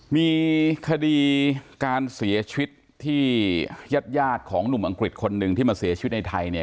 มีคดีการเสียชีวิตที่ญาติของหนุ่มอังกฤษคนหนึ่งที่มาเสียชีวิตในไทย